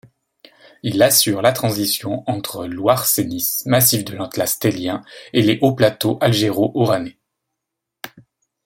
Il assure la transition entre l'Ouarsenis, massif de l'Atlas tellien, et les Hauts-Plateaux algéro-oranais.